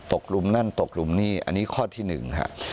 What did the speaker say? กลุ่มนั่นตกหลุมนี่อันนี้ข้อที่หนึ่งฮะ